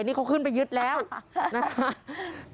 นี่เขาขึ้นไปยึดแล้วนะคะ